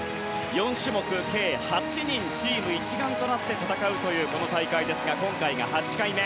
４種目、計８人がチーム一丸となって戦うというこの大会ですが今回が８回目。